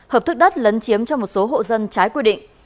hợp thức đất lấn chiếm cho một số hộ dân trái quy định